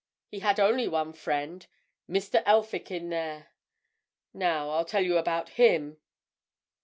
He had only one friend—Mr. Elphick, in there. Now, I'll tell you about him."